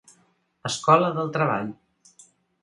Escola del Treball.